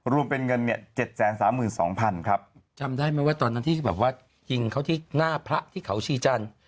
รวมเป็นเงิน๗๓๒๐๐๐บาทครับจำได้ไหมว่าตอนนั้นที่หิงเขาที่หน้าพระที่เขาชีจันทร์